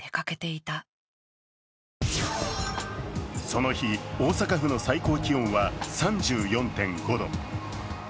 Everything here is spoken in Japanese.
その日、大阪府の最高気温は３５．４度。